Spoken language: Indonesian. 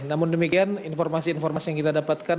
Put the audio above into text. namun demikian informasi informasi yang kita dapatkan